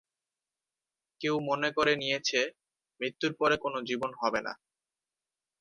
কেউ মনে করে নিয়েছে, মৃত্যুর পরে কোন জীবন হবে না।